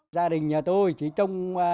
gia đình nhà tôi chỉ trông